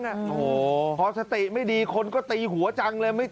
โอ้โหพอสติไม่ดีคนก็ตีหัวจังเลย